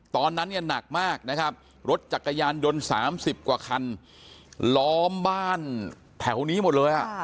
ตอนนั้นเนี่ยหนักมากนะครับรถจักรยานยนต์๓๐กว่าคันล้อมบ้านแถวนี้หมดเลย